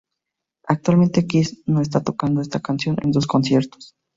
Actualmente, Kiss no está tocando esta canción en sus conciertos.